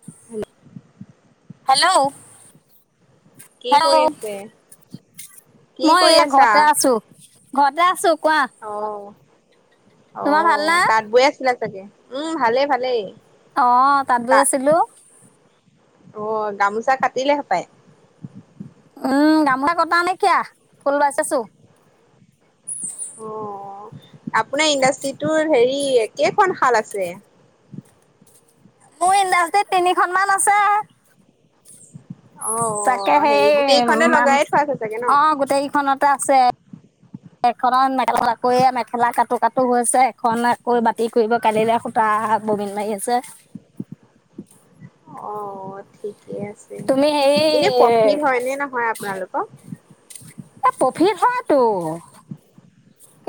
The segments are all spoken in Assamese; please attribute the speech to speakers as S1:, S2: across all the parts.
S1: [inaudible]
S2: হেল্ল'!
S1: কি
S2: হেল্ল'
S1: কৰি আছে? কি
S2: মই
S1: কৰি
S2: এই
S1: আছা?
S2: ঘৰতে আছো। ঘৰতে আছো। কোৱা
S1: অ! অ!
S2: তোমাৰ ভালনে
S1: তাত বৈ আছিলা। চাগে উম! ভালে ভালেই।
S2: অ' তাত বৈ
S1: তা
S2: আছিলো।
S1: অ' গামোচা কাটিলেহে পায়।
S2: উম! গামোছা কটা নাইকীয়া, ফুল বাছিছো।
S1: অ! আপোনাৰ ইণ্ডাষ্ট্ৰিটোত হেৰি কেইখন শাল আছে।
S2: মোৰ ইণ্ডাষ্ট্ৰিত তিনিখন মান আছে আৰু। তাকে
S1: অ',
S2: সেই
S1: হেৰি গোটেইখনে
S2: মান,
S1: লগাই থোৱা আছে চাগে ন?
S2: অ' গোটেইকেইখনত। আছে এখনত মেখেলা, আকৌ মেখেলা কাটো কাটো হৈছে, এখন আকৌ বাতি কৰিব কালিলে, সূতা ববিন মাৰি আছে।
S1: অ! ঠিক। ঠিকেই আছে
S2: তুমি হেৰি
S1: এনে প্ৰফিট হয় নে নহয়, আপোনালোকৰ।
S2: এ প্ৰফিট হয়টো।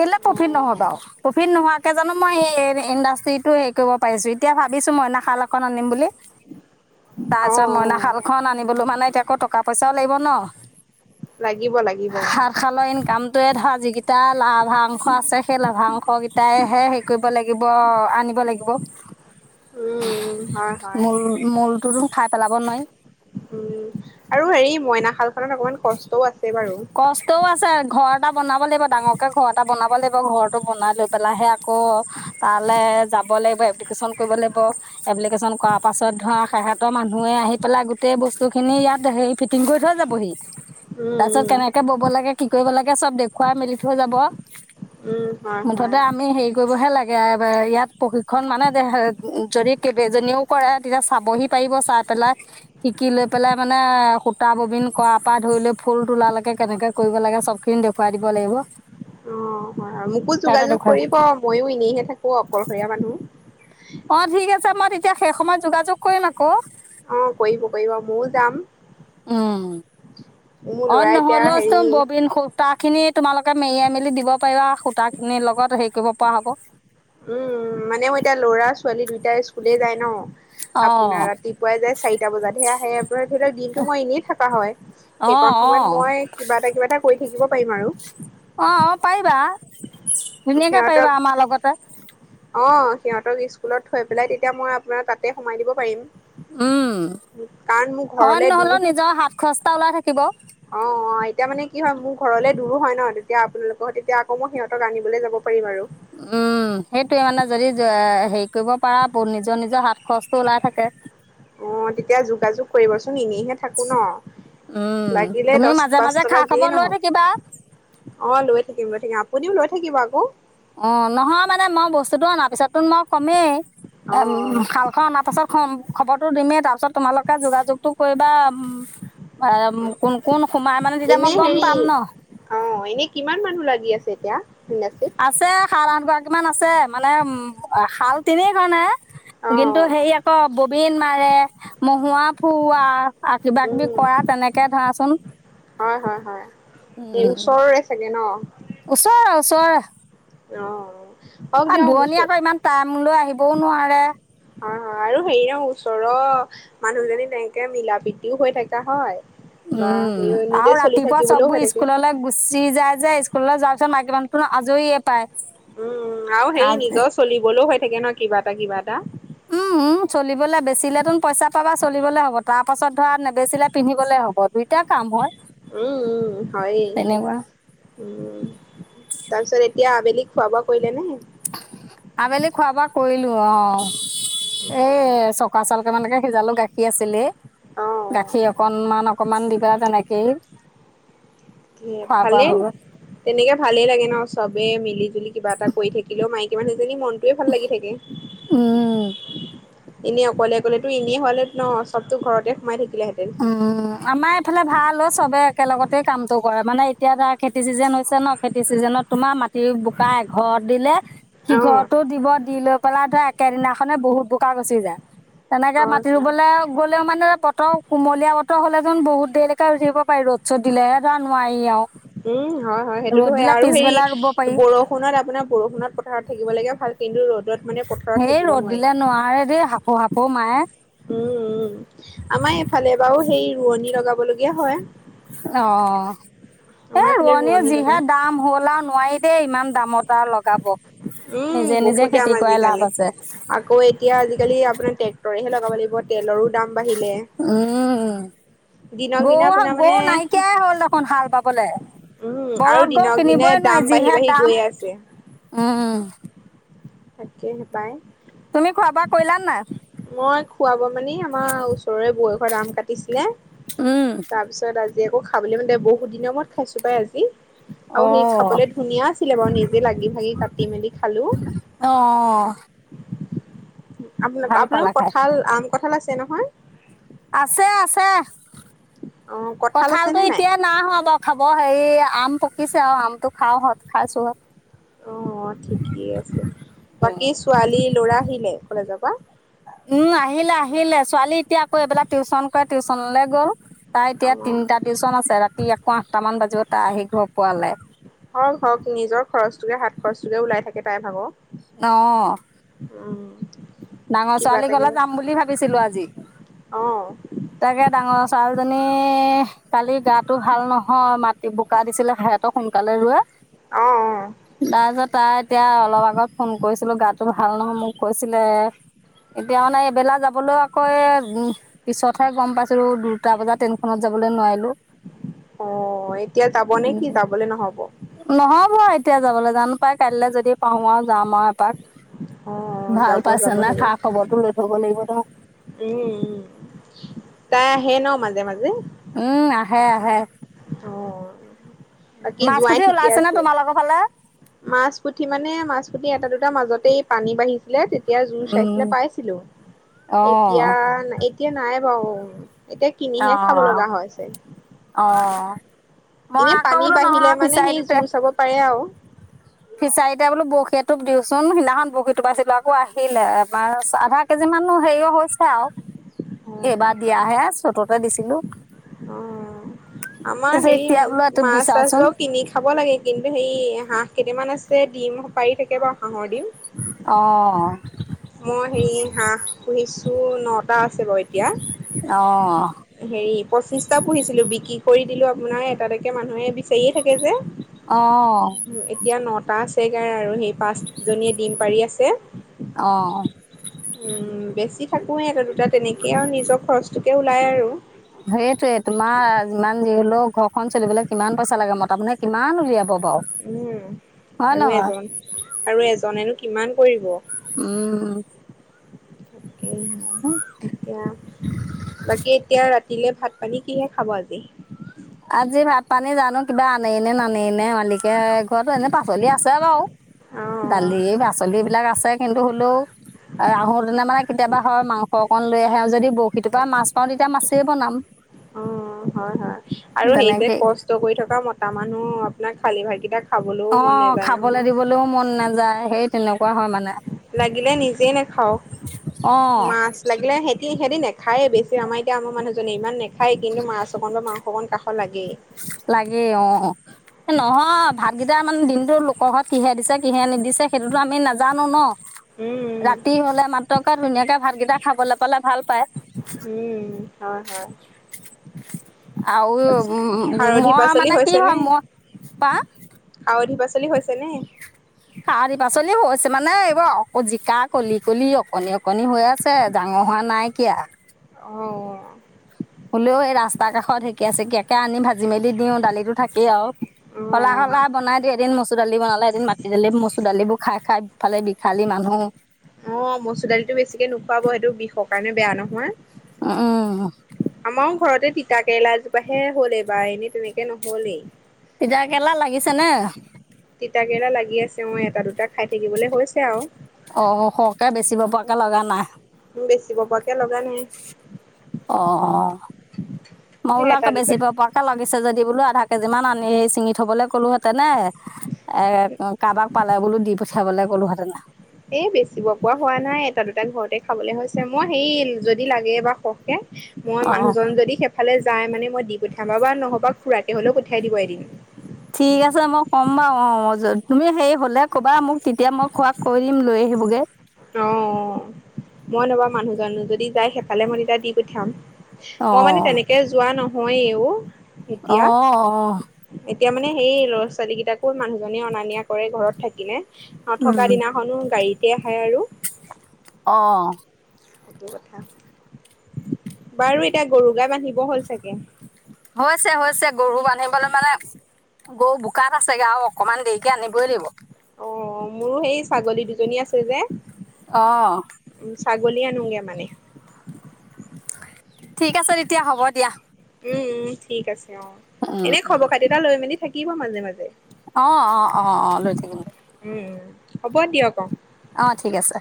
S2: কেলে প্ৰফিট নহ'ব
S1: অ',
S2: বাৰু, প্ৰফিত নোহোৱা। তাকে জানো মই সেই এই ইণ্ডাষ্ট্ৰিটো হেৰি কৰিব পাৰিছো, এতিয়া ভাবিছো মইনা শাল এখন আনিম বুলি। তাৰপিছত মইনা
S1: অ',
S2: শালখন আনিবলো মানে এতিয়া ধৰ। আকৌ টকা পইচাও লাগিব ন।
S1: লাগিব লাগিব।
S2: সাত শালৰ ইনকামটোয়ে ধৰা যিকেইটা। লাভাংশ আছে সেই লাভাংশ কেইটাইহে হেৰি কৰিব লাগিব, আনিব লাগিব।
S1: উম, হয় হয়।
S2: মূল, মূল। খাই পেলাব নোৱাৰি।
S1: উম! আৰু হেৰি মইনা শাল খনত অকমান কষ্টও আছে। বাৰু।
S2: কষ্টও আছে, ঘৰত। এটা বনাব লাগিব ডাঙৰকে, ঘৰ এটা বনাব লাগিব ঘৰটো বনাই লৈ পেলাইহে আকৌ তালৈ যাব লাগিব। এপ্লিকেশ্যন কৰিব লাগিব এপ্লিকেশ্যন কৰা পাছত ধৰা সেহঁতৰ মানুহে আহি পেলাই গোটেই বস্তুখিনি ইয়াত হেৰি ফিটিং কৰি থৈ যাবহি। তাৰ পিছত।
S1: উম উম
S2: কেনেকে বব লাগে, কি কৰিব লাগে চব দেখুৱাই মেলি থৈ যাব।
S1: উম হয়
S2: মুঠতে
S1: হয়
S2: আমি হেৰি। কৰিবহে লাগে ইয়াত প্ৰশিক্ষণ মানে দে যদি কেইবাজনীও কৰে, তেতিয়া চাবহি পাৰিব। চাই পেলাই শিকি লৈ পেলাই মানে সূতা ববিন কৰা পৰা ধৰি লৈ ফুল তোলা লৈকে। কেনেকে কৰিব লাগে চব খিনি দেখুৱাই দিব লাগিব।
S1: অ হয় মোকো
S2: সিহঁতে
S1: যোগাযোগ
S2: দেখুৱাই
S1: কৰিব মইও এনেইহে থাকো অকলশৰীয়া মানুহ।
S2: অ ঠিক আছে মই তেতিয়া শেই সময়ত যোগাযোগ কৰিম আকৌ।
S1: অ কৰিব কৰিব মইও‌ যাম।
S2: উম।
S1: মোৰ
S2: অ
S1: ল'ৰা এতিয়া
S2: নহলেও
S1: হেৰি
S2: চুন ববিন খুতা। খিনি তোমালোকে মেৰিয়াই মেলি দিব পাৰিবা সুতা খিনিৰ লগত হেৰি কৰিব পৰা হ'ব।
S1: উম মানে মই এতিয়া ল'ৰা, ছোৱালী দুইটাই স্কুলে যায় নহ।
S2: অ
S1: আপোনাৰ ৰাতিপুৱাই যাই চাৰিটা বজাতহে আহে আপোনাৰ ধৰি লওক দিনটো মই এনেই থাকা হয়
S2: অ
S1: সেইকন
S2: অ
S1: সময়ত মই কিবা এটা কিবা এটা কৰি। শিকিব পাৰিম আৰু।
S2: অ -অ পবা ধুনীয়াকে
S1: সিহঁতক
S2: পাৰিবা আমাৰ লগতে।
S1: অ সিহঁতক স্কুলত থৈ পেলাই তেতিয়া মই আপোনাৰ তাতে সোমাই দিব পাৰিম
S2: উম
S1: কাৰণ মোৰ ঘৰলে
S2: অই
S1: দূৰ
S2: নহ'লেও নিজৰ হাত খচৰ খৰচ এটা ওলাই থাকিব
S1: অ' অ' এতিয়া মানে কি হয় মোৰ ঘৰলে দূৰো হয় ন তেতিয়া আপোনালোকৰ তেতিয়া আকৌ মই সিহঁতক আনিবলৈ যাব। পাৰিম আৰু
S2: উম সেইটোয়ে মানে। যদি হেৰি কৰিব পাৰা নিজৰ নিজৰ হাত খৰচটো ওলাই থাকে।
S1: অ' তেতিয়া যোগাযোগ কৰিবচোন এনেইহে থাকো ন।
S2: উম
S1: লাগিলে
S2: তুমি
S1: দহ
S2: মাজে
S1: পাঁচ
S2: মাজে খা
S1: টকা দিয়ে
S2: খবৰ লৈ
S1: নহক
S2: থাকিবা
S1: অ লৈ থাকিম লৈ থাকিম আপুনিও লৈ থাকি। থাকিবা আকৌ।
S2: অ' নহয় মানে মই বস্তুতটো অনাৰ পিছততো মই কমেই।
S1: অ
S2: উম শাল খন অনাৰ পাছত খম খবৰটো দিমেই তাৰপিছত তোমালোকে যোগাযোগতটো কৰিবা। কোন কোন সোমাই মানে তেতিয়া মই
S1: এনে
S2: গম
S1: হেৰি
S2: পাম ন
S1: অ এনে কিমান মানুহ লাগি আছে এতিয়া। ভনছে
S2: আছে
S1: [unintelligible]
S2: সাত আঠগৰাকৰাকীমান আছে মানে শাল তিনিইখন নে।
S1: অ
S2: কিন্তু সেই আকৌ। বিন মাৰে মহুৱা ফুৰোৱা আৰু কিবা- কিবি
S1: উম
S2: কৰা তেনেকে ধৰাচোন
S1: হয় হয় হয় এই
S2: উম।
S1: ওচৰৰে চাগে ন
S2: ওচৰা -ওচৰা
S1: অ' হওক
S2: অ'
S1: দিয়ক
S2: দোৱনি
S1: ওচৰ
S2: আকৌ ইমান টাইম লৈ আহিবও নোৱাৰে
S1: হয় -হয় আৰু হেৰি ন ওচৰৰ মানুহজনী তেনেকে মিলা প্ৰতিও হৈ থকা হয়। বা
S2: উম
S1: হেৰি নিজে
S2: আৰু
S1: চলি
S2: ৰাতিপুৱা
S1: থাকিবলৈও হৈ
S2: চববোৰ
S1: থাকে।
S2: স্কুললৈ গুচি যায়। যায় স্কুললৈ যোৱাৰ পিছত মাইকী মানুতো আজৰিয় পায়।
S1: উম আৰু সেই নিজৰ চলিবলৈও হয় থাকে ন' কিবা এটা কিবা এটা
S2: উম উম চলিবলৈ বেচিলেতোন পইচা পাবা চলিবলে হ'ব তাৰ পাছত ধৰা নেবেচিলে পিন্ধিবলে হ'ব দুইটা কাম হয়।
S1: উম-উম, হয়
S2: তেনেকুৱা
S1: উম', তাৰপিছত এতিয়া আবেলিক খোৱা বোৱা কৰিলে নে?
S2: আবেলি খোৱা বোৱা কৰিলোঁ অ', [inaudible] এই চকা চাউল কেইটামানকে সিজালো গাখীৰ আছিলে
S1: অ
S2: গাখীৰ অকনমান অকণমান দিবা তেনেকেই
S1: এই
S2: খোৱা বোৱা
S1: ভালে
S2: হৈ গ'ল
S1: তেনেকে ভালে লাগে ন' চবে মিলি জুলি কিবা এটা কৰি থাকিলেও মাইক [unintelligible] যে মনটোৱে ভাল লাগি থাকে।
S2: উম
S1: এনেই অকলে অকলে তো এনেই হলে ন' চবতো ঘৰতে সোমাই থাকি
S2: উম আমাৰ এইফালে ভাল চবে একেলগতে কামটো কৰে মানে এতিয়া ধৰা খেতি চিজন হৈছে ন' খেতি চিজনত তোমাৰ মা সি বোকা এঘৰত দিলে
S1: অ
S2: সিঘৰতো দিব দি লৈ পেলাই ধৰ কেঙনাখনে বহুত বোকা গচি যায় তেনেকে
S1: হয়
S2: মাটি
S1: হয়
S2: ৰুবলৈ গ'লেও মানে পতক কুমলীয়া বতৰ হ'লে যেন বহুত দেৰিলেকে ৰুই থাকিব পাৰি, ৰ'দ চ'দ দিলেহে ধৰা নোৱাৰি আৰু
S1: উম হয়- হয় সেইটোতো
S2: ৰ'দ
S1: হয়ে
S2: দিলে
S1: আৰু হেৰি
S2: পিছবেলা ৰুব পাৰি
S1: বৰষুণত আপোনাৰ বৰষুনত পথাৰত থাকিব লগীয়া ভাল [unintelligible] ৰ'দ
S2: সেই ৰ'দ দিলে নোৱাৰে দেই হাপো হাপো মায়ে
S1: উম উম ৰুৱনি লগাব লগীয়া হয়।
S2: অ', এ
S1: আমাৰ এইফালে
S2: ৰোৱনীৰ
S1: ৰোৱনী লগাই
S2: যিহে দাম হ'ল আৰু নোৱাৰি। এ ইমান দামত আৰু লগাব।
S1: উম
S2: নিজে নিজে
S1: বহুত দম
S2: খেতি কৰাই লাভ
S1: আজিকালি
S2: আছে
S1: আকৌ এতিয়া আজিকালি আপোনাৰে তৰেহে লগাব লাগিব, তেলৰো দাম। বাঢ়িলে
S2: উম।
S1: দিনক দিনে
S2: গৰু
S1: আপোনাৰ মানে
S2: গৰু নাইকিয়াই হ'ল দেখোন হাল বাপ বোলে
S1: উম আৰু
S2: বলদ গৰু
S1: দিনক দিনে
S2: কিনিবই
S1: দাম
S2: নোৱাৰি
S1: বাঢ়ি
S2: যিহে
S1: বাঢ়ি
S2: দাম
S1: গৈয়ে আছে
S2: উম
S1: তাকেহে পায়।
S2: তুমি খোৱা বোৱা কলা নাই?
S1: মই খুৱাব মানি আমাৰ ওচৰৰে বয়সত আম কাটিছিলে
S2: উম,
S1: একো খাবলৈ মানে বহুত দিনৰ মূৰত খাইছোঁ পাই আজি
S2: অ
S1: আৰু সেই খাবলে ধুনীয়া আছিলে বাৰু নিজে লাগি ভাগি কাটি মেলি খালো।
S2: অ
S1: আপোনা
S2: ভাল পালা
S1: আপোনালোকৰ
S2: খাই
S1: কঁঠাল আম কঁঠাল আছে নহয়।
S2: আছে, আছে।
S1: অ কঁঠাল আছে
S2: কঁঠালটো
S1: নে
S2: এতিয়া নাই হোৱা বাৰু খাব হেৰি আম পকিছে আও আমটো খাওঁ হ'ত খাইছোহ'ত।
S1: অ', ঠিকেই আছে বাকী ছোৱালী ল'ৰা আহিলে কলেজত। ৱা
S2: উম, আহিলে, আহিলে ছোৱালী এতিয়া আকৌ এইবিলাক টিউচন তা টিউচনলৈ গ'ল। তাই
S1: অ
S2: এতিয়া তিনিটা টিউচন আছে ৰাতি আকৌ আঠটা মান বাজিব। তাই আহি ঘৰ পোৱালে
S1: হওঁক হওঁক নিজৰ খৰচটোকে হাত খৰচটোকে ওলাই থাকে তাই ভাগ
S2: ন'
S1: উম।
S2: ডাঙৰ
S1: কিবা
S2: ছোৱালী
S1: এটা
S2: গলে
S1: কিবা
S2: যাম বুলি ভাবিছিলো আজি,
S1: অ
S2: তাকে ডাঙৰ ছোৱালীজনী কালি গাটো ভাল নহয় মাত [unintelligible] বোকা দিছিলে [unintelligible] সোনকালে ৰোৱে।
S1: অ অ
S2: তাৰপিছত তাই এতিয়া অলপ আগত ফোন কৰিছিলো, গাতটো ভাল নহয় মোক কৈছিলে এতিয়া মানে এইবেলা যাবলৈ আকৌ, পিছতহে গম পাইছিলোঁ, দুটা বজাত ট্ৰেইনখনত যাবলৈ নোৱাৰিলোঁ।
S1: অ', এতিয়া যাব নে কি, যাবলে নহব?
S2: নহ'ব এতিয়া যাবলৈ জানো পাই কাইলৈ যদি পাৰো আৰু যাম আৰু এপাক।
S1: অ',
S2: ভাল
S1: যাব
S2: পাইছে
S1: যাব
S2: নাই খা
S1: হেৰ'।
S2: খবৰটো লৈ থব লাগিব। [unintelligible]
S1: উম তাই আহে ন' মাজে মাজে?
S2: উম, আহে আহে।
S1: অ বাকী
S2: মাছ
S1: জোঁৱাই
S2: পুঠি
S1: ঠিকে
S2: ওলাইছে নে
S1: আছে
S2: তোমালোকৰ ফালে?
S1: মাছ পুঠি মানে, মাছ পুঠি এটা দুটা মাজতেই পানী বাঢ়িছিলে তেতিয়া জুৰ চাইছিলে
S2: উম
S1: পাইছিলো,
S2: অ
S1: এতিয়া এতিয়া নাই বাৰু এতিয়া
S2: অ
S1: কিনিহে খাব লগা হৈ আছে।
S2: অ মই আকৌ বোলো নহয় ফিচাৰিটোতে,
S1: চাব পাৰে আৰু।
S2: ফিচাৰিতে বোলো বৰশী এটোক দিওঁ চোন সিদিনাখন বৰশীটো বাইছিলো আকৌ আহিলে এবাৰ আধা কেজি মানো হেৰিও হৈছে আও। এইবাৰ দিয়া হে চ বা দিছিলো।
S1: অ'। আমাৰ হেৰি
S2: এতিয়া বোলো এটোপ দি
S1: মাছ
S2: চাওঁচোন
S1: চাছবোৰ কিনি খাব লাগে কিন্তু সে হাঁহ কেইটামান আছে ডিম পাৰি থাকে বাৰু হাঁহৰ। ডিম।
S2: অ'
S1: মই হেৰি হাঁহ পুহিছো, নটা আছে বাৰু
S2: অঁ
S1: এতিয়া। হেৰি পঁচিশটা পুহিছিলো, বিক্ৰী কৰি দিলো আপোনাৰ এটা এটাকৈ মানুহে বিচাৰিয়ে থাকে যে।
S2: অঁ
S1: পাঁচ [unintelligible] আৰু সেই পাঁচজনীয়ে ডিম পাৰি আছে।
S2: অঁ
S1: উম, বেছি থাকোয়ে এটা দুটা তেনেকেই আৰু নিজৰ খৰচটোকে ওলাই আৰু।
S2: সেইটোয়ে তোমাৰ যিমান যি হ'লেও ঘৰখন চলিবলৈ কিমান পইচা লাগে, মতা মানুহে কিমান উলিয়াব। বাৰু
S1: উম
S2: হয়
S1: আৰু
S2: নহয়
S1: এজন আৰু এজনেনো কি কিমান কৰিব।
S2: উম।
S1: দিয়া, বাকী এতিয়া ৰাতি দিলে ভাত পানী কিহে খাব আজি।
S2: আজি ভাত পানী জানো কিবা আনেইনে নানেই নে মালিকে, ঘৰতটো এনে পাচলি আছে বাৰু।
S1: অ',
S2: দালি পাচলি এইবিলাক আছে, কিন্তু হলেও আহোতেনে মানে কেতিয়াবা হয় মাংস অকন লৈ আহে যদি ব ৰশী টোপাই মাছ পাওঁ যেতিয়া মাছ কেই বনাম।
S1: অ' হয় হয়। আৰু সেই যে
S2: তেনেকেই
S1: কষ্ট কৰি থকা মতা মানুহ না খালি ভাইকেইটা
S2: অ' খাবলৈ দিবলৈও মন নাযায় সেই তেনেক কোৱা হয় মানে।
S1: লাগিলে নিজেই নাখাও,
S2: অঁ
S1: মাছ লাগিলে সেই কি সিহঁতি নেখায়েই বেছি আমাৰ এতিয়া আমাৰ মানুহজনে ইমান নেখায়েই কিন্তু মাছ অকণ বা মাংস অকণ কাষত লাগেই।
S2: লাগেই অ', এ নহয় ভাতকেইটা মানে দিনটো লোকৰ ঘৰত কিহে দিছে কিহে নিদিছে সেইটোতো আমি নাজানো ন।
S1: উম,
S2: ৰাতি হ'লে মাত্ৰকে ধুনীয়াকে ভাতকেইটা খাবলৈ পালে ভাল পায়।
S1: উম, উম, হয় হয়।
S2: আও উ
S1: খাৰধি
S2: মই
S1: পাচলি
S2: মানে কি
S1: হৈছে নে?
S2: হয় ম, পা
S1: চলি হৈছে নে।
S2: সাৰধি পাচলি হৈছে মানে এইবাৰ জিকা কলি কলি অকনি- অকনি হৈ আছে, ডাঙৰ হোৱা নাইকিয়া।
S1: অ'
S2: হ'লেও এই ৰাস্তাৰ কাষত ঢেকীয়া চেকীয়াকে আনি ভাজি মেলি দিওঁ, দালিটো থাকেই আৰু।
S1: অ',
S2: শলাই-শলাই বনাই দিও, এদিন মচুৰ দালি বনালে এদিন মাটি দালি মচুৰ দালিবোৰ খাই- খাই ফালে বিখালী মানুহ।
S1: অ' মচুৰ দালিটো বেছিকে নোখোৱাব, সেইটো বিষৰ কাৰণে বেয়া নহয়। আমাৰো
S2: [unintelligible]
S1: ঘৰতে তিতা কেৰেলা এজোপা হে হ'ল এইবাৰ, এনেই তেনেকে নহ'লেই।
S2: এতিয়া কেলা লাগিছে নে?
S1: তিতাকেৰেলা লাগি আছে অহ এটা দুটা খাই থাকিবলে হৈছে আৰু।
S2: অহ'সৰকে বেচিব পৰাকে লগা নাই।
S1: বেছিব পৰাকে লগা নাই।
S2: অহ ',
S1: এ
S2: মইবোলো
S1: এটা দুটা
S2: বেচিব পৰা কে লাগি পিছে যদি বোলো আধা কেজি মান আনি চিঙি থবলে কলোহেতেন নে। এ কাৰোবাক পালে বোলো দি পঠ খাবলৈ কলো হতেনা।
S1: এ বেচিব পোৱা হোৱা নাই এটা দুট ঘৰতে খাবলৈ হৈছে। মই সেই যদি লাগে বা সহকে মই
S2: অ
S1: মানুহজন যদি সেইফালে যাই মানে মই দি গঠাবা বা নহ'বা খুৰাতে হ'লেও পঠাই দিব এদিন।
S2: ঠিক আছে মই কম বাৰু অহ তুমি হেৰি হলে কবা মোক তেতিয়া মই খোৱ কৈ দিম লৈ আহিবগে।
S1: অহ'মই ৰবা মানুহ জানো যদি যায় সেইফালে মই তেতিয়া দি পঠিয়াম।
S2: অ
S1: মই মানে তেনেকে যোৱা নহ হয় উহ।
S2: অহ - অহ।
S1: এতিয়া মানে সেই ল'ৰা ছোৱালীকেইটাকো মানুহজনে অনা নিয়া কৰে ঘৰত থাকিলে। নথকা
S2: উম
S1: দিনাখনো গাড়ীত। খায় আৰু
S2: অহ ',
S1: সেইটো কথা। বাৰু এতিয়া গৰু গাই বান্ধিব হল চাগে।
S2: হৈছে- হৈছে গৰু বান্ধিবলৈ মানে গৰু বোকাত আছেগে আৰু অকনমান দেৰিকে আনিবই দাগিব।
S1: অহ'মোৰো সেই ছাগলী দুজনী আছে যে।
S2: অহ',
S1: ছাগলী আনোগে মানে।
S2: ঠিক আছে তেতিয়া হব দিয়া।
S1: ঠিক আছে। অহ'
S2: উম
S1: এনে খবৰ খাতি এটা লৈ মেলি। থাকিব মাজে-মাজে।
S2: অহ - অহ - অহ - অহ লৈ থাকিম দে।
S1: উম, হব দিয়ক অহ।
S2: অহ' ঠিক আছে।